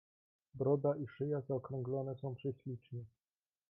"Broda i szyja zaokrąglone są prześlicznie."